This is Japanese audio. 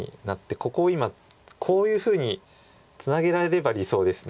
ここを今こういうふうにツナげられれば理想です。